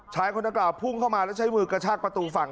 ชายคนดังกล่าวพุ่งเข้ามาแล้วใช้มือกระชากประตูฝั่ง